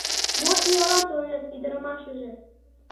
— Мо иялан тыланет ӱдырамашыже?